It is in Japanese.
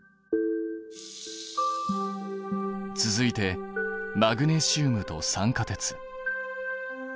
続いてマグネシウムと酸化鉄。